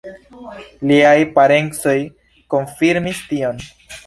Liaj parencoj konfirmis tion.